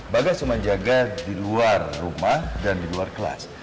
bagas cuma jaga di luar rumah dan di luar kelas